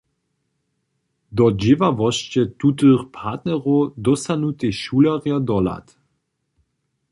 Do dźěławosće tutych partnerow dóstanu tež šulerjo dohlad.